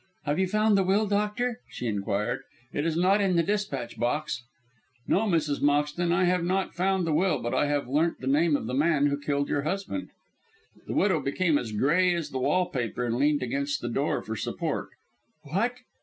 "Have you found the will, doctor?" she inquired; "it is not in the despatch box." "No, Mrs. Moxton, I have not found the will, but I have learnt the name of the man who killed your husband." The widow became as grey as the wall paper, and leant against the door for support. "What?